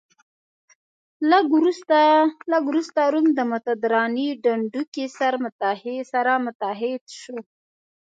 لږ وروسته روم د مدترانې ډنډوکی سره متحد شو.